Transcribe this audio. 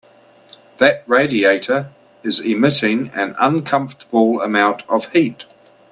That radiator is emitting an uncomfortable amount of heat.